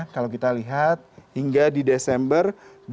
kalau kita lihat hingga di desember dua ribu dua puluh